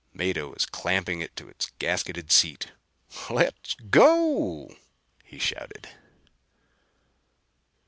Mado was clamping it to its gasketed seat. "Let's go!" he shouted.